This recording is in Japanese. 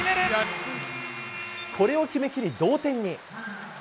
これを決め切り、同点に。